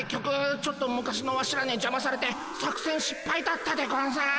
ちょっと昔のワシらにじゃまされて作戦しっぱいだったでゴンス。